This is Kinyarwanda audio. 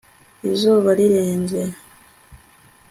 izuba rirenze